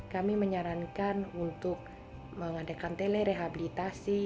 kami menyarankan untuk mengadakan tele rehabilitasi